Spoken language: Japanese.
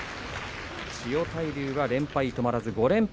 千代大龍は連敗止まらずに５連敗